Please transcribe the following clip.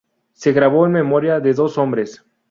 Se grabó en memoria de dos hombres.